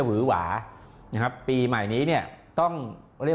เขาบอกคล้ายคล้ายน้องเลย